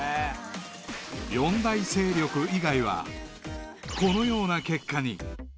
［四大勢力以外はこのような結果に］